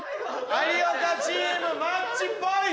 有岡チームマッチポイント！